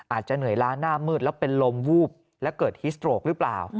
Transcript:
อาจจะเหนื่อยล้าหน้ามืดแล้วเป็นลมวูบและเกิดฮิสโตรกหรือเปล่า